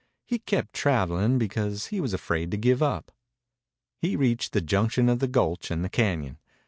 He kept traveling, because he was afraid to give up. He reached the junction of the gulch and the cañon.